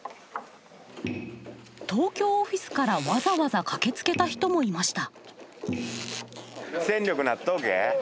東京オフィスからわざわざ駆けつけた人もいました。